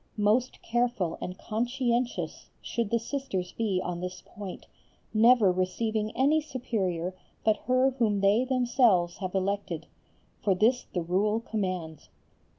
Most careful and conscientious should the Sisters be on this point, never receiving any Superior but her whom they themselves have elected; for this the Rule commands.